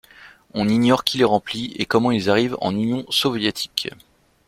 On ignore qui les remplis et comment ils arrivent en Union soviétique.